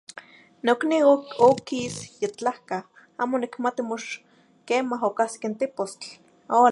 Nocniuh oquis yitlahca, amo nicmati mox quema ocahsic tipostl.